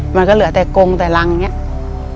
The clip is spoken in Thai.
มันก็เหลือแต่กงแต่รังอย่างนี้